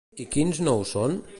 I quins no ho són?